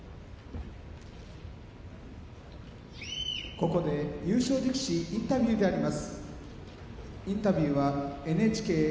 ここで優勝力士インタビューであります。